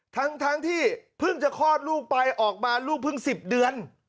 ทั้งที่เพิ่งจะคลอดลูกไปออกมาลูกเพิ่ง๑๐เดือน